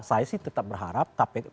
saya sih tetap berharap